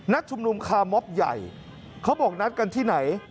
ชุมนุมคาร์มอบใหญ่เขาบอกนัดกันที่ไหน